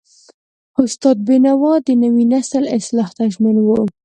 استاد بینوا د نوي نسل اصلاح ته ژمن و.